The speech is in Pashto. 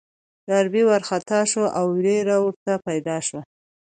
ډاربي وارخطا شو او وېره ورته پيدا شوه.